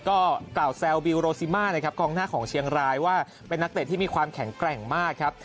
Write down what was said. ก็กล่าวแซวบิลโรซิมานะครับกองหน้าของเชียงรายว่าเป็นนักเตะที่มีความแข็งแกร่งมากครับ